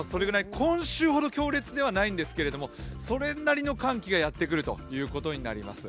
今週ほど強烈ではないんですけれどもそれなりの寒気がやってくるということになります。